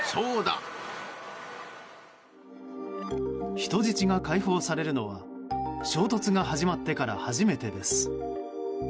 人質が解放されるのは衝突が始まってから初めてです。